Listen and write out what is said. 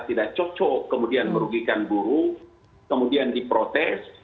tidak cocok kemudian merugikan buruh kemudian diprotes